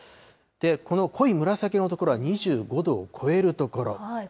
この濃い紫色の所は２５度を超える所。